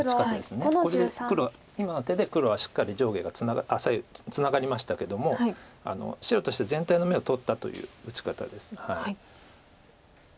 今のアテで黒はしっかり左右ツナがりましたけども白として全体の眼を取ったという打ち方です。